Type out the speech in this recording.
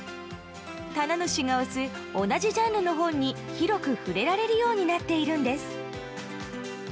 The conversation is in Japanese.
棚主が推す、同じジャンルの本に広く触れられるようになっているんです。